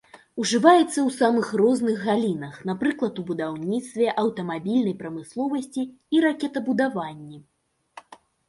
Ужываецца ў самых розных галінах, напрыклад у будаўніцтве, аўтамабільнай прамысловасці і ракетабудаванні.